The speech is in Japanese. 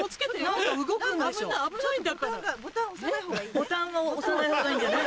ボタンは押さないほうがいいんじゃない？